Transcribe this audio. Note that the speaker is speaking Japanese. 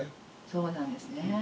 そうなんですね。